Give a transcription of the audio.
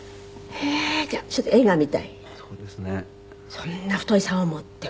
そんな太い竿を持って。